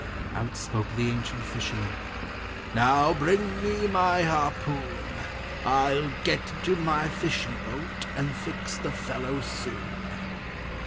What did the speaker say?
Out spoke the ancient fisherman, "Now bring me my harpoon! I'll get into my fishing boat, and fix the fellow soon."